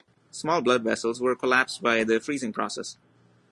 Small blood vessels were collapsed by the freezing process.